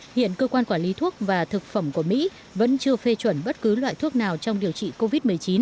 hiện cơ quan quản lý thuốc và thực phẩm của mỹ vẫn chưa phê chuẩn bất cứ loại thuốc nào trong điều trị covid một mươi chín